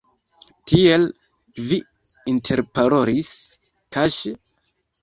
Tiel, vi interparolis kaŝe?